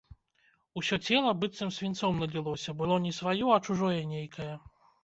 Усё цела быццам свінцом налілося, было не сваё, а чужое нейкае.